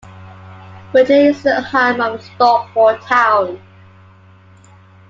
Woodley is the home of Stockport Town.